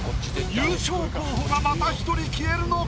優勝候補がまた１人消えるのか？